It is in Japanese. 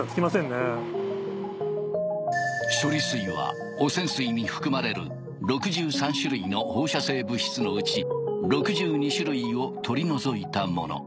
処理水は汚染水に含まれる６３種類の放射性物質のうち６２種類を取り除いたもの。